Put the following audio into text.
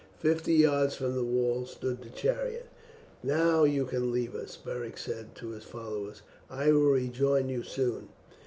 Fifty yards from the wall stood the chariot. "Now you can leave us," Beric said to his followers, "I will rejoin you soon."